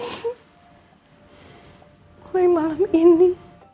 mulai malam ini